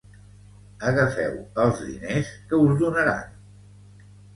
Agafeu els diners que us donaran.